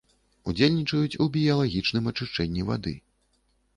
Удзельнічаюць у біялагічным ачышчэнні вады.